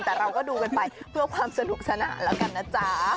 แต่เราก็ดูกันไปเพื่อความสนุกสนานแล้วกันนะจ๊ะ